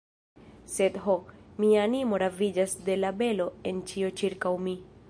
Sed, ho, mia animo raviĝas de la belo en ĉio ĉirkaŭ mi.